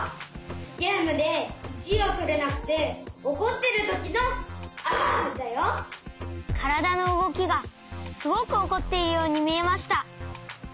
ゲームで１いをとれなくておこってるときの「あ！」だよ。からだのうごきがすごくおこっているようにみえました。